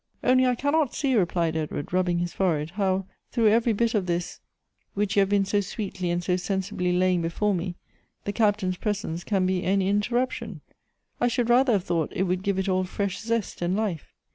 " Only I cannot see," replied Edward, rubbing his fore head, "how, through every bit of this which you have been so sweetly and so sensibly laying before me, tbo Captain's presence can be any interruption; I should rather have thought it would give it all fresh zest and life.